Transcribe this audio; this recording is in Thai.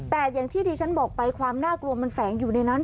แต่อย่างที่ที่ฉันบอกไปความน่ากลัวมันแฝงอยู่ในนั้น